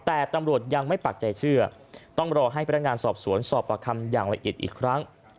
แต่ตำรวจยังไม่ปักใจเชื่อต้องรอให้พนักงานสอบสวนสอบประคำอย่างละเอียดอีกครั้ง